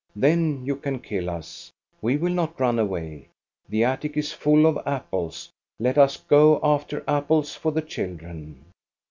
Then you can kill us. We will not run away. The attic is full of apples. Let us go after apples for the children